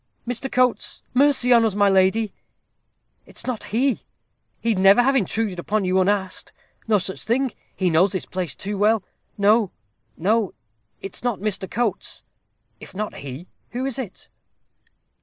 "Mr. Coates! Mercy on us, my lady, it's not he. He'd never have intruded upon you unasked. No such thing. He knows his place too well. No, no; it's not Mr. Coates " "If not he, who is it?"